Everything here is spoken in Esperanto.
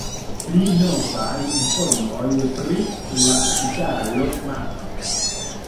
Pli novaj informoj pri la kapitalo mankas.